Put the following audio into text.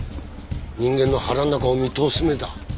人間の腹の中を見通す目だ。